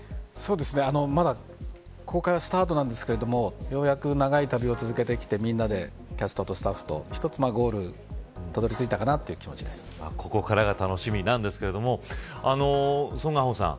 まだ公開はスタートなんですけどようやく長い旅を続けてきてみんなでキャストとスタッフと一つゴールにたどり着いたかなというここからが楽しみなんですけどソン・ガンホさん